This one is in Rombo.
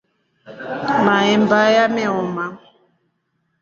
Maemba yameoma.